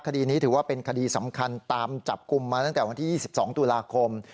คดีนี้ถือว่าเป็นคดีสำคัญตามจับกลุ่มมาตั้งแต่วันที่๒๒ตุลาคม